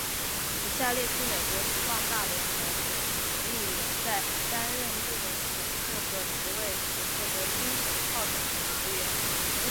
以下列出美国职棒大联盟美联历年在担任一垒手这个位置时获得金手套奖的球员。